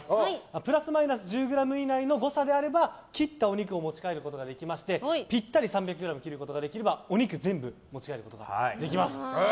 プラスマイナス１０ｇの誤差であれば切ったお肉を持ち帰ることができましてぴったり３００ｇ切ることができればお肉全部持ち帰ることができます。